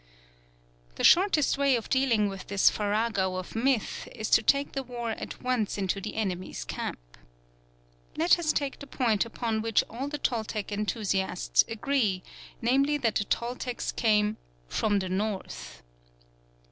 " The shortest way of dealing with this farrago of myth is to take the war at once into the enemy's camp. Let us take the point upon which all the Toltec enthusiasts agree, namely that the Toltecs came "from the north."